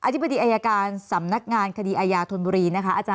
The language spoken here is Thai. ธิบดีอายการสำนักงานคดีอายาธนบุรีนะคะ